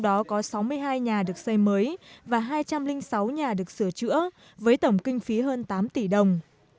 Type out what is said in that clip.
ở đó gần sáu mươi nhà đã được xây mới và hai trăm linh sáu nhà được sửa chữa với tổng kinh phí tầm tám tỷ đồng